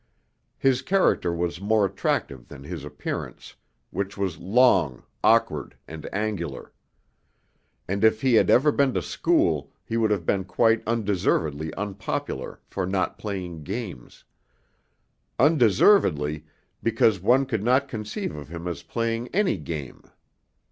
His character was more attractive than his appearance, which was long, awkward, and angular; and if he had ever been to school, he would have been quite undeservedly unpopular for not playing games: undeservedly because one could not conceive of him as playing any game.